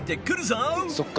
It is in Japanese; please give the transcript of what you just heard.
そっか。